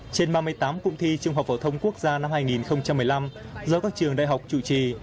trên ba mươi tám cụm thi trung học phổ thông quốc gia năm hai nghìn một mươi năm do các trường đại học chủ trì